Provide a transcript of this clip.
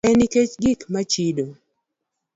En nikech gik ma chido.